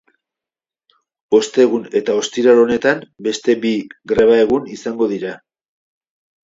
Ostegun eta ostiral honetan beste bi greba-egun izango dira.